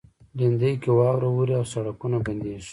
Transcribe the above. لېندۍ کې واوره اوري او سړکونه بندیږي.